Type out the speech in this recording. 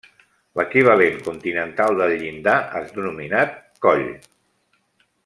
L'equivalent continental del llindar és denominat coll.